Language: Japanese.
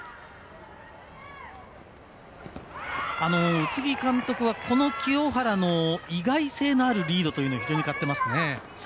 宇津木監督はこの清原の意外性のあるリードというのを非常に買っていますね。